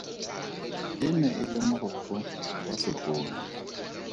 E ne e le mogokgo wa sekolo.